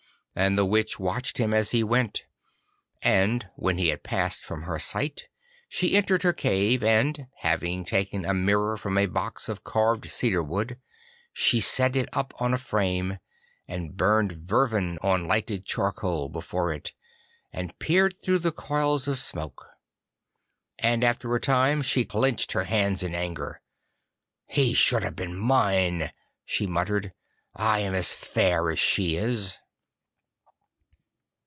And the Witch watched him as he went, and when he had passed from her sight she entered her cave, and having taken a mirror from a box of carved cedarwood, she set it up on a frame, and burned vervain on lighted charcoal before it, and peered through the coils of the smoke. And after a time she clenched her hands in anger. 'He should have been mine,' she muttered, 'I am as fair as she is.